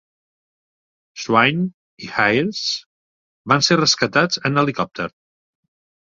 Swain i Hires van ser rescatats en helicòpter.